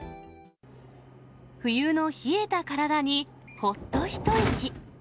冬の冷えた体にほっと一息。